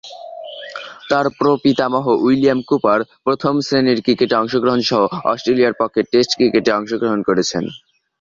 তার প্রপিতামহ William Cooper প্রথম-শ্রেণীর ক্রিকেটে অংশগ্রহণসহ অস্ট্রেলিয়ার পক্ষে টেস্ট ক্রিকেটে অংশগ্রহণ করেছেন।